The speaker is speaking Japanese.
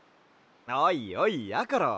おいおいやころ。